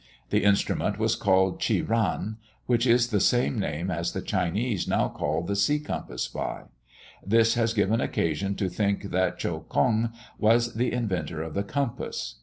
The instrument was called Tchi ran, which is the same name as the Chinese now call the sea compass by; this has given occasion to think that Tcheou Kong was the inventor of the compass."